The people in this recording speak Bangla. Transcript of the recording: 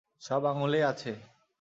সব আঙুলেই আছে।